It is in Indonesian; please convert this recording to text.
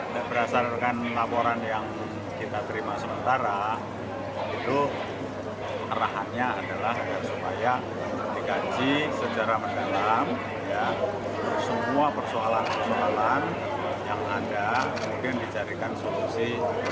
dan berdasarkan laporan yang kita terima sementara itu arahannya adalah agar supaya digaji secara mendalam semua persoalan persoalan yang ada mungkin dicarikan solusi